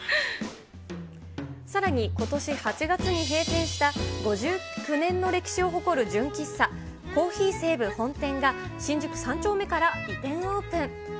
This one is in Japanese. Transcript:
さらに、ことし８月に閉店した、５９年の歴史を誇る純喫茶、珈琲西武本店が新宿３丁目から移転オープン。